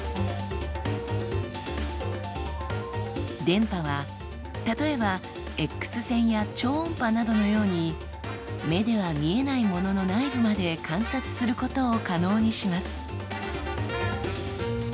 電波は例えばＸ線や超音波などのように目では見えないものの内部まで観察することを可能にします。